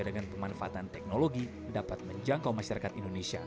dengan pemanfaatan teknologi dapat menjangkau masyarakat indonesia